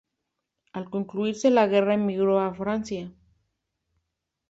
Al concluirse la guerra emigró a Francia.